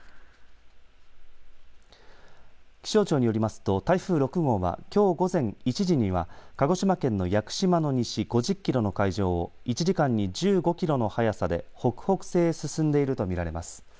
気象庁によりますと台風６号はきょう午前１時には鹿児島県の屋久島の西５０キロの海上を１時間に１５キロの速さで北北西へ進んでいると見られます。